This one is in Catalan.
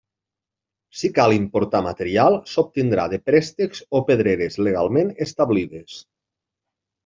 Si cal importar material, s'obtindrà de préstecs o pedreres legalment establides.